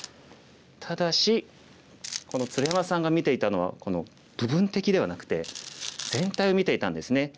ただし鶴山さんが見ていたのはこの部分的ではなくて全体を見ていたんですね。